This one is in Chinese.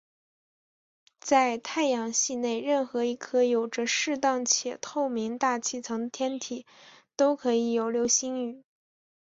在太阳系内任何一颗有着适当且透明大气层的天体都可以有流星雨。